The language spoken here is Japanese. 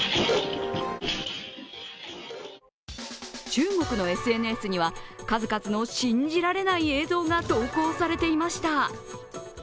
中国のＳＮＳには数々の信じられない映像が投稿されていました。